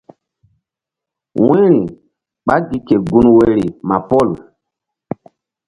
Wu̧yri ɓá gi ke gun woyri ma pol.